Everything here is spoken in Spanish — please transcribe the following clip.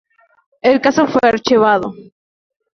El caso fue archivado.